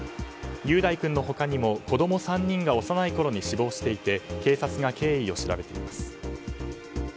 雄大君の他にも子供３人が幼いころに死亡していて警察が経緯を調べています。